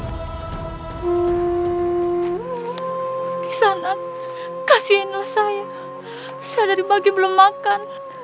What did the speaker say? bagi sana kasihkanlah saya saya dari pagi belum makan